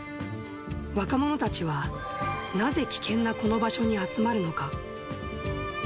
若者たちはなぜ危険なこの場所に集まるのか。